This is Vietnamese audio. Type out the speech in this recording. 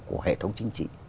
của hệ thống chính trị